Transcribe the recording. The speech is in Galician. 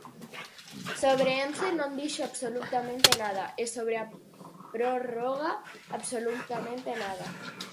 Sobre Ence non dixo absolutamente nada e sobre a prórroga absolutamente nada.